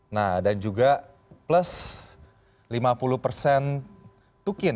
nah dan juga plus lima puluh persen tukin